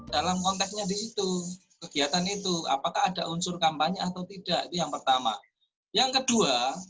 dalam konteksnya di situ kegiatan itu apakah ada unsur kampanye atau tidak itu yang pertama yang kedua